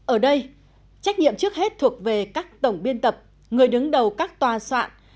ở đây trách nhiệm trước hết thuộc về các tổng biên tập người đứng đầu các tòa soạn